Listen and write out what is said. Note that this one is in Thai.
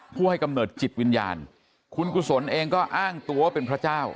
ผู้ให้กำเนิดจิตวิญญาณคุณกุศลเองก็อ้างตัวเป็นพระเจ้า